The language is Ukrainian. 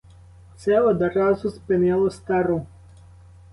Це одразу спинило стару.